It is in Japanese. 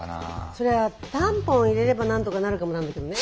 そりゃタンポン入れればなんとかなるかもなんだけどね。